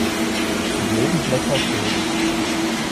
Die Nebenblätter fehlen.